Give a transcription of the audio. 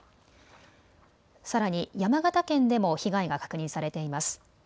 さらに山形県でも被害が確認されています。